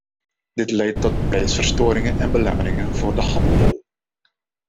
Dit leidt tot prijsverstoringen en belemmeringen voor de handel.